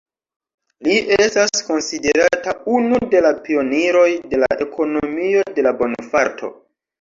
Li estas konsiderata unu de la pioniroj de la ekonomio de la bonfarto.